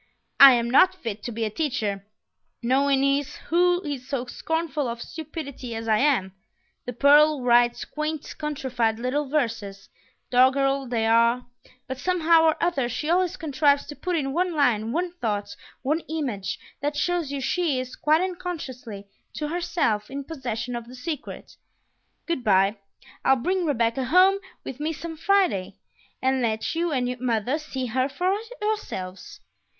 I am not fit to be a teacher; no one is who is so scornful of stupidity as I am. ... The pearl writes quaint countrified little verses, doggerel they are; but somehow or other she always contrives to put in one line, one thought, one image, that shows you she is, quite unconsciously to herself, in possession of the secret. ... Good by; I'll bring Rebecca home with me some Friday, and let you and mother see her for yourselves.